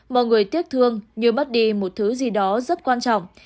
mọi người tiếc thương như mất đi một thứ gì đó rất quan trọng